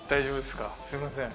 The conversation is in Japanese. すいません。